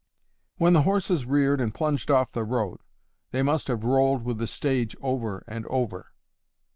"When the horses reared and plunged off the road, they must have rolled with the stage over and over."